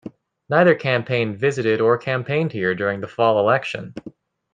Neither campaign visited or campaigned here during the fall election.